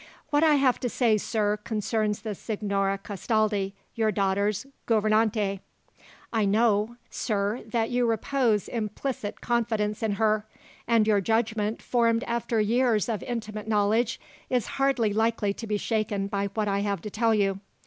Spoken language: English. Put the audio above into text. "What I have to say, sir, concerns the Signora Castaldi, your daughters' gouvernante. I know, sir, that you repose implicit confidence in her; and your judgment, formed after years of intimate knowledge, is hardly likely to be shaken by what I have to tell you.